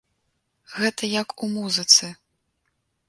Гэта як у музыцы.